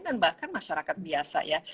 dan bahkan masyarakat biasa ya